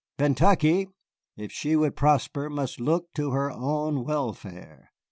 Kentucky, if she would prosper, must look to her own welfare.